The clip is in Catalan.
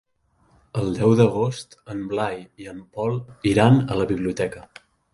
El deu d'agost en Blai i en Pol iran a la biblioteca.